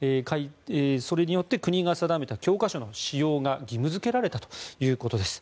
それによって国が定めた教科書の使用が義務付けられたということです。